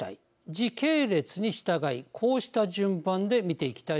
時系列に従いこうした順番で見ていきたいと思います。